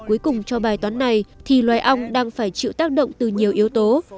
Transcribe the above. cuối cùng cho bài toán này thì loài ong đang phải chịu tác động từ nhiều yếu tố